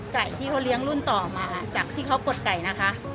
ไก่ที่เขาเลี้ยงรุ่นต่อมาจากที่เขากดไก่นะคะ